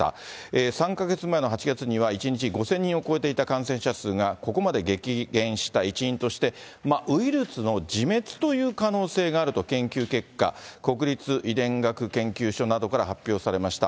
３か月前の８月には１日５０００人を超えていた感染者数がここまで激減した一因として、ウイルスの自滅という可能性があると研究結果、国立遺伝学研究所などから発表されました。